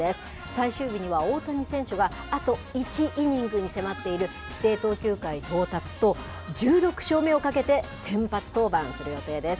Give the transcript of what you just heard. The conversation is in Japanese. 最終日には大谷選手があと１イニングに迫っている規定投球回到達と、１６勝目をかけて先発登板する予定です。